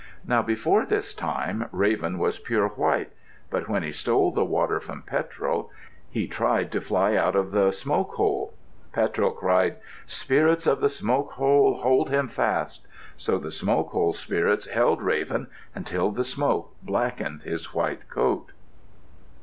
Now before this time, Raven was pure white. But when he stole the water from Petrel he tried to fly out of the smoke hole. Petrel cried, "Spirits of the smoke hole, hold him fast." So the smoke hole spirits held Raven until the smoke blackened his white coat.